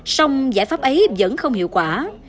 xong giải pháp ấy vẫn không hiệu quả